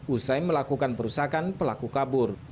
usai melakukan perusakan pelaku kabur